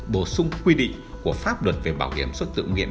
bổ sung quy định của pháp luật về bảo hiểm xã hội tự nhiên